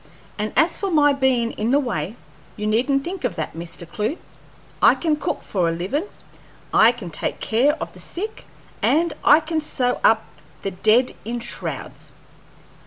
And as for my bein' in the way, you needn't think of that, Mr. Clewe. I can cook for the livin', I can take care of the sick, and I can sew up the dead in shrouds."